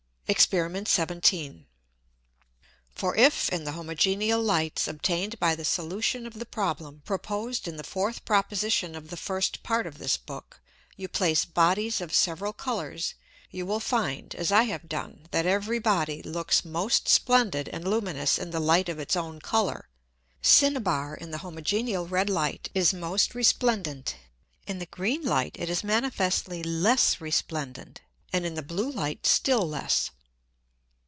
Exper. 17. For if in the homogeneal Lights obtained by the solution of the Problem proposed in the fourth Proposition of the first Part of this Book, you place Bodies of several Colours, you will find, as I have done, that every Body looks most splendid and luminous in the Light of its own Colour. Cinnaber in the homogeneal red Light is most resplendent, in the green Light it is manifestly less resplendent, and in the blue Light still less.